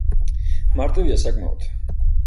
მარტივია საკმაოდ.